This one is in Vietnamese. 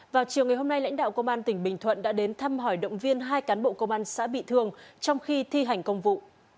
vào chiều ngày hôm nay lãnh đạo công an tỉnh bình thuận đã đến thăm hỏi động viên hai cán bộ công an xã bị thương trong khi thi hành công vụ